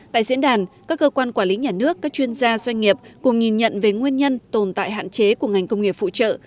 tại diễn đàn các cơ quan quản lý nhà nước các chuyên gia doanh nghiệp cùng nhìn nhận về nguyên nhân tồn tại hạn chế của ngành công nghiệp phụ trợ